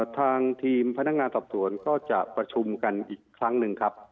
ทางทีมพนักงานสอบสวนก็จะประชุมกันอีกครั้งหนึ่งครับ